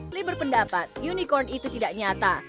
sliber pendapat unicorn itu tidak nyata